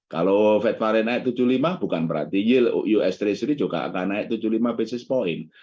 kalau fed variant naik tujuh puluh lima bukan berarti yield us treasury juga akan naik tujuh puluh lima basis point